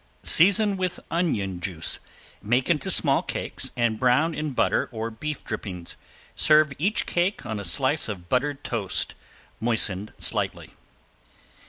Season with onion juice, make into small cakes, and brown in butter or beef drippings; serve each cake on a slice of buttered toast moistened slightly.